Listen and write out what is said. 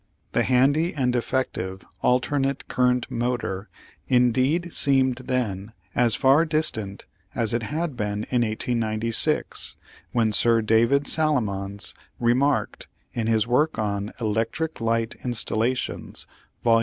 The handy and effective alternate current motor indeed seemed then as far distant as it had been in 1896, when Sir David Salomons remarked, in his work on Electric Light Installations (vol.